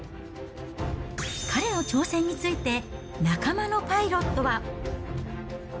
彼の挑戦について、仲間のパイロットは。